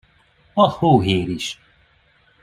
A hóhér is!